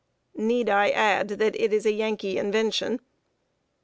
Need I add that it is a Yankee invention?